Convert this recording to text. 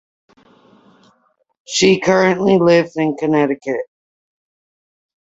She currently lives in Connecticut.